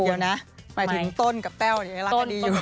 เดี๋ยวนะหมายถึงต้นกับแต้วยังรักกันดีอยู่